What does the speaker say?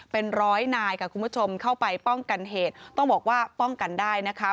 เป็นร้อยนายค่ะคุณผู้ชมเข้าไปป้องกันเหตุต้องบอกว่าป้องกันได้นะคะ